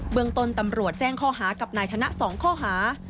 เมืองต้นตำรวจแจ้งข้อหากับนายชนะ๒ข้อหา